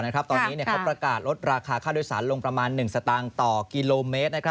ตอนนี้เขาประกาศลดราคาค่าโดยสารลงประมาณ๑สตางค์ต่อกิโลเมตร